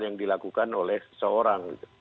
yang dilakukan oleh seseorang